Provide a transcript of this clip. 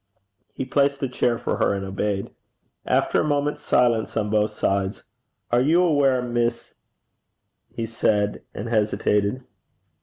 He placed a chair for her, and obeyed. After a moment's silence on both sides: 'Are you aware, Miss ?' he said and hesitated.